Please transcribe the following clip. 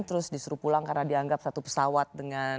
terus disuruh pulang karena dianggap satu pesawat dengan